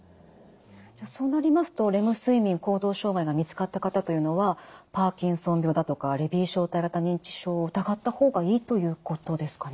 そうなりますとレム睡眠行動障害が見つかった方というのはパーキンソン病だとかレビー小体型認知症を疑った方がいいということですかね？